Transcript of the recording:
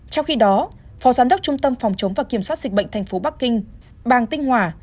trong khi đó phó giám đốc trung tâm phòng chống và kiểm soát dịch bệnh thành phố bắc kinh bàng tinh hỏa